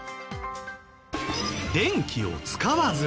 電気を使わず。